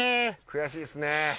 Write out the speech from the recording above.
悔しいですね。